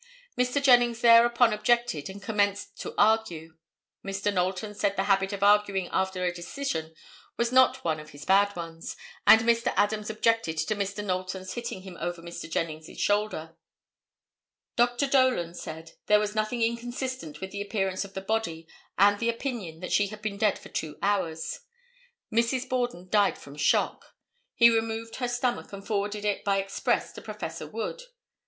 Mr. Jennings thereupon objected and commenced to argue. Mr. Knowlton said the habit of arguing after a decision was not one of his bad ones, and Mr. Adams objected to Mr. Knowlton's hitting him over Mr. Jennings' shoulder. Dr. Dolan said there was nothing inconsistent with the appearance of the body and the opinion that she had been dead for two hours. Mrs. Borden died from shock. He removed her stomach and forwarded it by express to Prof. Wood.